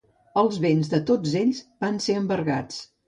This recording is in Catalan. Els béns de tots ells van ser embargats.